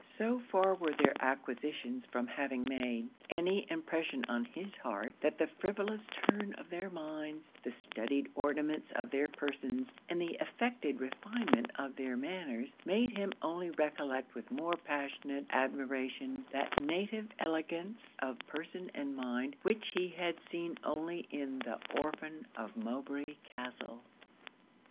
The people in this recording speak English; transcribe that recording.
So far were their acquisitions from having made any impression on his heart, that the frivolous turn of their minds, the studied ornaments of their persons, and the affected refinement of their manners, made him only recollect with more passionate admiration, that native elegance of person and mind which he had seen only in the Orphan of Mowbray Castle.